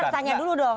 saya tanya dulu dong